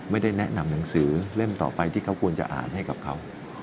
ไม่ได้แนะนำหนังสือเล่มต่อไปที่เขาควรจะอ่านให้กับเขา